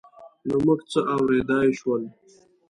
نه موږ څه اورېدای شول.